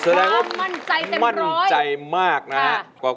สร้างที่มั่นใจมากนะฮะความมั่นใจเต็มร้อย